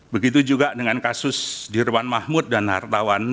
begitu juga dengan kasus dirwan mahmud dan hartawan